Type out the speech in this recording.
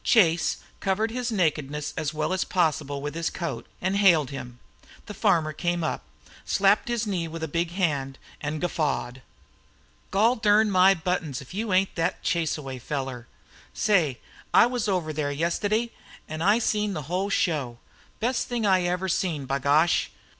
Chase covered his nakedness as well as possible with his coat, and hailed him. The farmer came up, slapped his knee with a big hand, and guffawed. "Gol darn my buttons, if it ain't thet Chaseaway fellar! Say, I was over there yestiddy, an' seen the whole show. Best thing I ever seen, b'gosh!